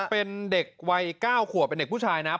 เป็นเด็กวัย๙ขวบเป็นเด็กผู้ชายนะครับ